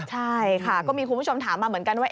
ใช่ค่ะก็มีคุณผู้ชมถามมาเหมือนกันว่า